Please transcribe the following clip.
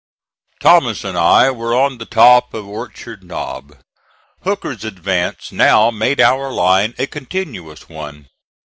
Thomas and I were on the top of Orchard Knob. Hooker's advance now made our line a continuous one.